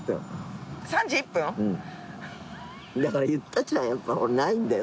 だから言ったじゃんやっぱないんだよ